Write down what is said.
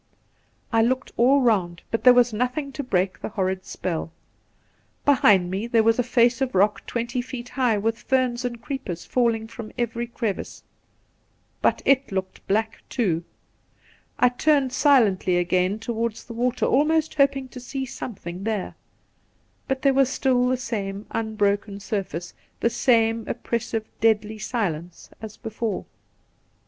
I looked all round, but there was nothing to break the horrid spell. Behind me there was a face of rock twenty feet high with ferns and creepers falling from every crevice. But it lookpd •black, too. I turned silently again towards the water, almost hoping to see something there ; but there was stUl the same unbroken surface, the same oppressive deadly silence as before.